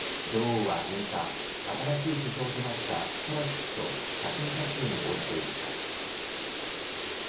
女王は６日新しい首相となったトラス氏と写真撮影に応じていました。